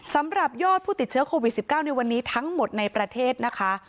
สำหรับยอดผู้ติดเชื้อโควิด๑๙ในวันนี้ทั้งหมดในประเทศนะคะ